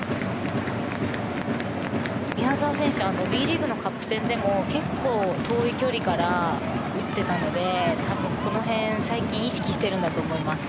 宮澤選手ＷＥリーグのカップ戦でも結構、遠い距離から打っていたので多分、この辺を最近意識してるんだと思います。